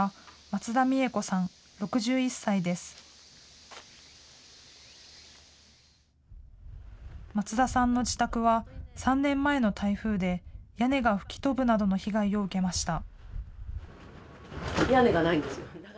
松田さんの自宅は、３年前の台風で屋根が吹き飛ぶなどの被害を受けました。